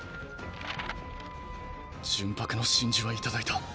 「純白の真珠は頂いた。